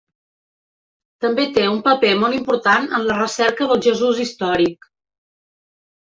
També té un paper molt important en la recerca del Jesús històric.